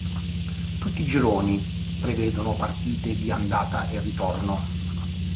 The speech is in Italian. Tutti i gironi prevedono partite di andata e ritorno.